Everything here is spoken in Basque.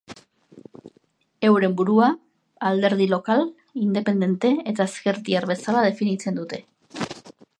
Euren burua alderdi lokal, independente eta ezkertiar bezala definitzen dute.